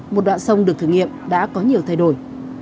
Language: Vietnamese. một đoạn sông được thử nghiệm đã có nhiều thay đổi